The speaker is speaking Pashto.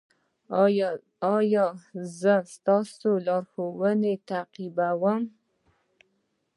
ایا زه ستاسو لارښوونې تعقیبوم؟